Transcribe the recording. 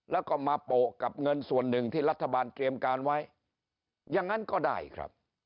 แล้วก็มาโปะกับเงินส่วนหนึ่งที่รัฐบาลเตรียมการไว้อย่างนั้นก็ได้ครับ